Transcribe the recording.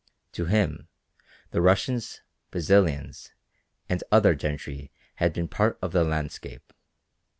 To him, the Russians, Brazilians, and other gentry had been part of the landscape.